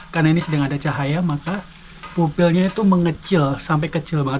karena ini sedang ada cahaya maka pupilnya itu mengecil sampai kecil banget